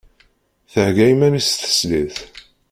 Thegga iman-is teslit?